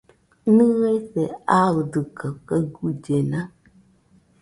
¿Nɨese aɨdɨkaɨ kaɨ guillena?